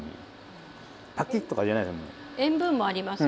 塩分もありますしね。